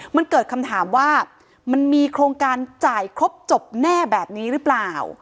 มันเกิดคำถามว่ามันมีโครงการจ่ายครบจบแน่แบบนี้หรือเปล่า